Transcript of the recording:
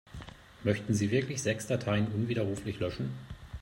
Möchten Sie wirklich sechs Dateien unwiderruflich löschen?